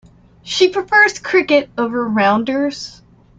She prefers cricket over rounders.